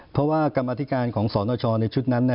เพราะว่ากรรมอธิการของสนชในชุดนั้น